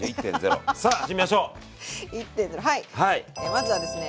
まずはですね